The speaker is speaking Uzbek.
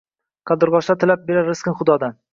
qaldirgʼochlar tilab berar rizqin Xudodan.